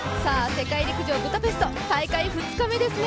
世界陸上ブダペスト大会２日目ですね。